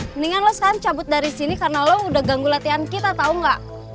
mendingan lo sekarang cabut dari sini karena lo udah ganggu latihan kita tahu nggak